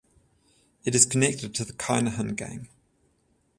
It is connected to the Kinahan gang.